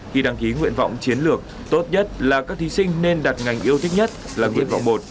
khi đăng ký nguyện vọng chiến lược tốt nhất là các thí sinh nên đặt ngành yêu thích nhất là nguyện vọng một